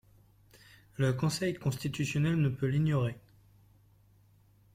Le Conseil constitutionnel ne peut l’ignorer.